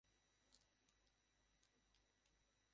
তিনি নাজাফ শহরেই শিক্ষকতা করে বাকি জীবন অতিবাহিত করেন।